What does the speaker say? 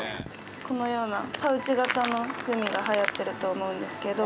このようなパウチ型のグミが流行ってると思うんですけど。